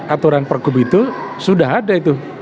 aturan pergub itu sudah ada itu